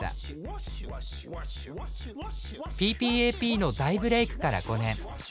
「ＰＰＡＰ」の大ブレークから５年。